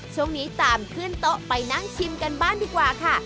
ช่วงนี้ตามขึ้นโต๊ะไปนั่งชิมกันบ้างดีกว่าค่ะ